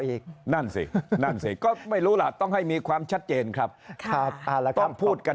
อีกนั่นสินั่นสิก็ไม่รู้ล่ะต้องให้มีความชัดเจนครับครับต้องพูดกัน